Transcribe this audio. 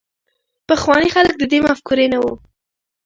پخواني خلک د دې مفکورې نه وو.